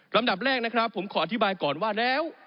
ลำดับแรกนะครับผมขออธิบายก่อนว่าแล้ว